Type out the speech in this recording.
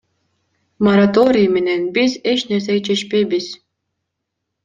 Мораторий менен биз эч нерсе чечпейбиз.